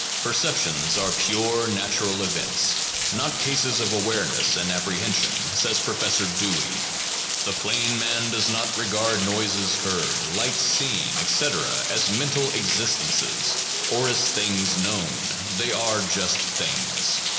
Perceptions are pure natural events, not cases of awareness, and appre hensions, says Professor Dewey; the plain man does not regard noises heard, light seen, etc., as mental existences or as things known; they are just things.